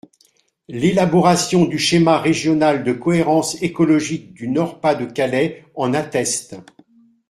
L’élaboration du schéma régional de cohérence écologique du Nord-Pas-de-Calais en atteste.